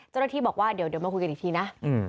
เจ้าหน้าที่บอกว่าเดี๋ยวมาคุยกันอีกทีนะ